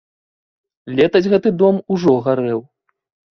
Летась гэты дом ужо гарэў.